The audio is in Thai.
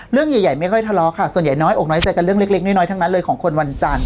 เรื่องใหญ่ไม่ค่อยทะเลาะค่ะส่วนใหญ่น้อยอกน้อยใจกันเรื่องเล็กน้อยทั้งนั้นเลยของคนวันจันทร์